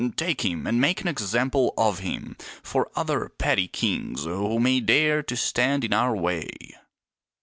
Take him and make an example of him for other petty kings who may dare to stand in our way."